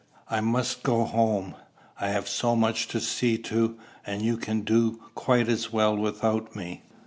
"I must go home I have so much to see to, and you can do quite as well without me.